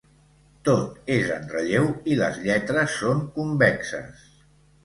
Tot és en relleu, i les lletres són convexes.